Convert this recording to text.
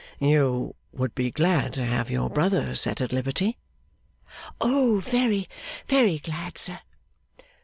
'You would be glad to have your brother set at liberty?' 'Oh very, very glad, sir!